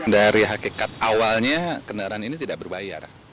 dari hakikat awalnya kendaraan ini tidak berbayar